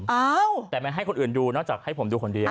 อ้าวแต่ไม่ให้คนอื่นดูนอกจากให้ผมดูคนเดียว